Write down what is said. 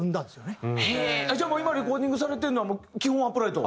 じゃあ今レコーディングされてるのは基本アップライト？